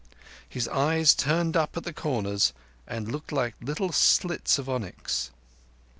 His eyes turned up at the corners and looked like little slits of onyx.